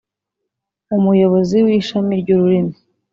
umuyobozi w’ishami ry’ururimi